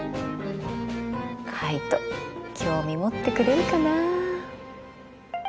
カイト興味持ってくれるかな。